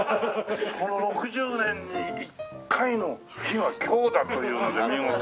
その６０年に１回の日が今日だというので見事に。